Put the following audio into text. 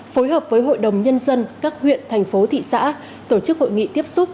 phối hợp với hội đồng nhân dân các huyện thành phố thị xã tổ chức hội nghị tiếp xúc